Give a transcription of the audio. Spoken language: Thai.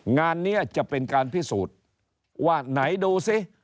งานนี้จะเป็นการพิสูจน์ว่าไหนดูสิ